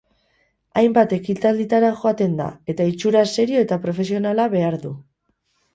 Hainbat ekitalditara joaten da, eta itxura serio eta profesionala behar du.